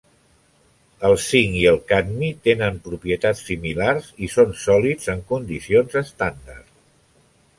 El zinc i el cadmi tenen propietats similars i són sòlids en condicions estàndard.